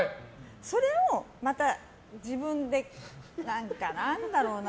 それをまた自分で何だろうな。